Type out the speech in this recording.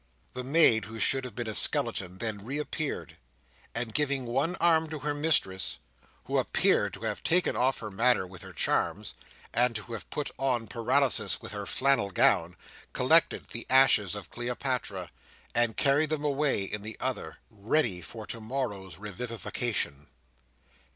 The maid who should have been a skeleton, then reappeared, and giving one arm to her mistress, who appeared to have taken off her manner with her charms, and to have put on paralysis with her flannel gown, collected the ashes of Cleopatra, and carried them away in the other, ready for tomorrow's revivification.